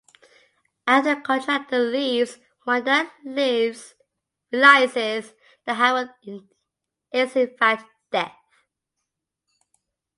After the contractor leaves, Wanda realizes that Harold is in fact Death.